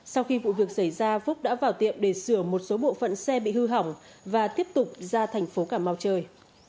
sau khi vụ việc xảy ra phúc đã vào tiệm để sửa một số bộ phận xe bị hư hỏng và tiếp tục ra thành phố cà mau chơi